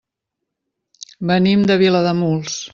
Venim de Vilademuls.